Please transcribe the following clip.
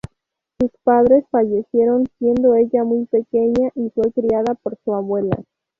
Sus padres fallecieron siendo ella muy pequeña, y fue criada por su abuela.